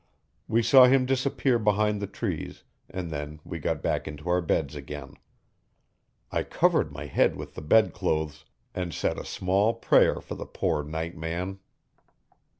We saw him disappear behind the trees and then we got back into our beds again. I covered my head with the bedclothes and said a small prayer for the poor night man.